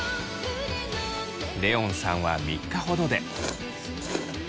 レオンさんは３日ほどで。